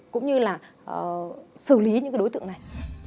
cũng như là xử lý những đối tượng này